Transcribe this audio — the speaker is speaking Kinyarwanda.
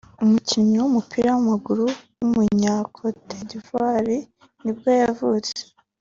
umukinnyi w’umupira w’amaguru w’umunya-Cote D’ivoire nibwo yavutse